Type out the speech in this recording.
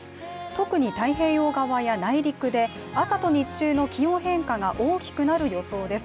特に太平洋側や内陸で朝と日中の気温変化が大きくなる予想です。